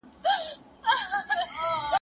موږ به ستا ښکلو تورو څڼو څخه